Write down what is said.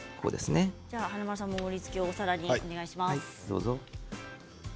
華丸さんも盛りつけお皿にお願いします。